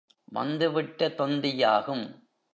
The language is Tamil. வந்து விட்ட தொந்தியாகும்.